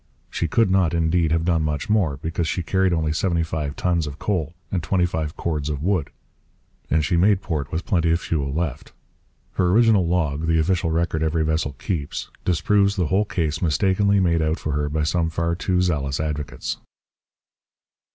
She could not, indeed, have done much more, because she carried only seventy five tons of coal and twenty five cords of wood, and she made port with plenty of fuel left. Her original log (the official record every vessel keeps) disproves the whole case mistakenly made out for her by some far too zealous advocates.